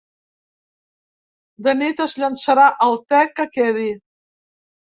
De nit es llençarà el te que quedi.